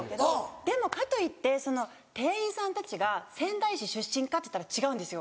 でもかといってその店員さんたちが仙台市出身かっていったら違うんですよ。